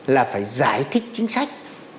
là phải giải thích chính sách